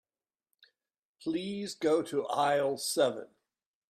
Please go to aisle seven.